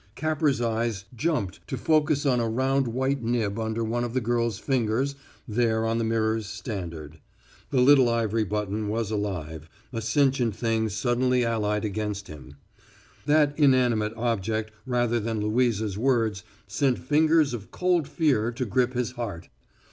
Capper's eyes jumped to focus on a round white nib under one of the girl's fingers there on the mirror's standard. The little ivory button was alive a sentient thing suddenly allied against him. That inanimate object rather than Louisa's words sent fingers of cold fear to grip his heart.